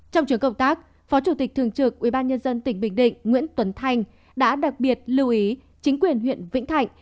trong trường công tác phó chủ tịch thường trực ủy ban nhân dân tỉnh bình định nguyễn tuấn thanh đã đặc biệt lưu ý chính quyền huyện vĩnh thạnh